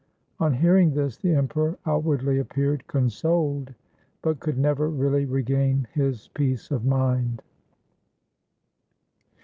' On hearing this the Emperor outwardly appeared consoled, but could never really regain his peace of mind.